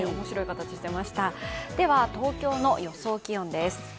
では、東京の予想気温です。